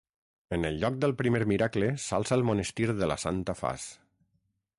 En el lloc del primer miracle s'alça el monestir de la Santa Faç.